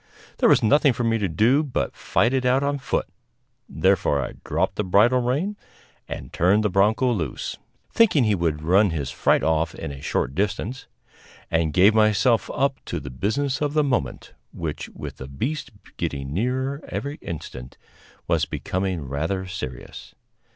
There was nothing for me to do but fight it out on foot; therefore I dropped the bridle rein and turned the bronco loose (thinking he would run his fright off in a short distance), and gave myself up to the business of the moment, which, with the beast getting nearer every instant, was becoming rather serious.